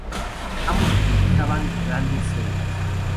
Ambos utilizaban grandes celdas.